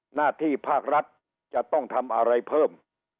หน้าที่ภาครัฐจะต้องทำอะไรเพิ่ม